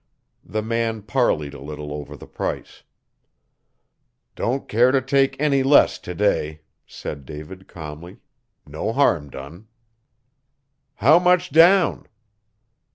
The man parleyed a little over the price. 'Don' care t' take any less t'day,' said David calmly. 'No harm done.' 'How much down?'